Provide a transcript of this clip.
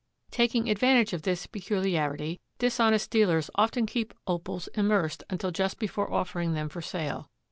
Taking advantage of this peculiarity dishonest dealers often keep opals immersed until just before offering them for sale.